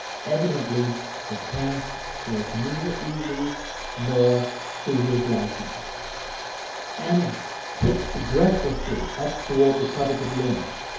Evidently the task was neither easy nor to his liking. Anna hitched breathlessly up toward the coveted limb.